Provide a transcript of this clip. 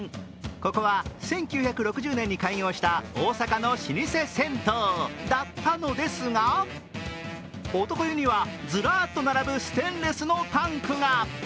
ここは、１９６０年に開業した大阪の老舗銭湯だったのですが男湯にはずらっと並ぶステンレスのタンクが。